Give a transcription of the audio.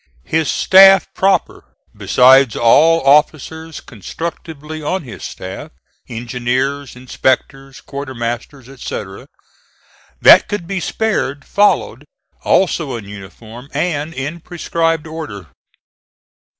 His staff proper, besides all officers constructively on his staff engineers, inspectors, quartermasters, etc., that could be spared followed, also in uniform and in prescribed order.